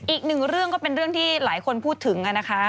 อีกหนึ่งเรื่องก็เป็นเรื่องที่หลายคนพูดถึงนะคะ